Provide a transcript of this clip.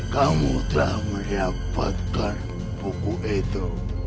kamu telah mendapatkan buku itu